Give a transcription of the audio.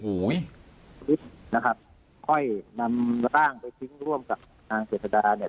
อูโห้นะครับค่อยนำล่างคิดร่วมกับความจริง